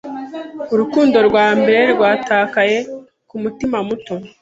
Urukundo rwa mbere rwatakaye kumutima muto